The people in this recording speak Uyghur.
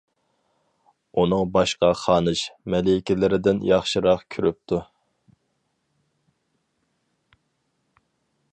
ئۇنىڭ باشقا خانىش، مەلىكىلىرىدىن ياخشىراق كۆرۈپتۇ.